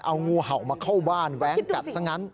เอางูเห่ามาเข้าบ้านแว้งกัดซะงั้น